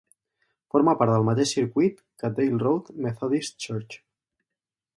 Forma part del mateix circuit que Dale Road Methodist Church.